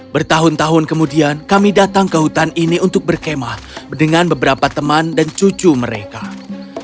bertahun tahun kemudian kami datang ke hutan ini untuk berkemah dengan beberapa teman dan cucu mereka